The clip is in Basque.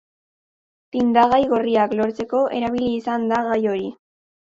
Tindagai gorriak lortzeko erabili izan da gai hori.